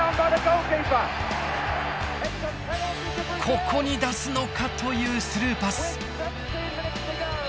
ここに出すのかというスルーパス。